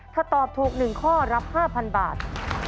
ถ้าตอบถูก๑ข้อรับ๕๐๐บาท